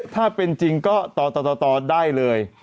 ถ้าเป็นจริงก็ต่อได้เลย